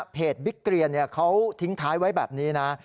บิ๊กเกรียนเขาทิ้งท้ายไว้แบบนี้นะ